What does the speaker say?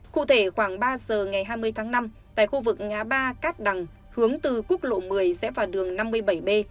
cụ thể khoảng ba giờ ngày hai mươi tháng năm tại khu vực ngã ba cát đằng hướng từ quốc lộ một mươi sẽ vào đường năm mươi bảy b